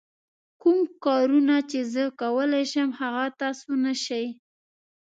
کوم کارونه چې زه کولای شم هغه تاسو نه شئ.